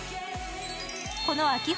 この秋冬